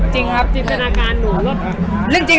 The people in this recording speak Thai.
จริงครับ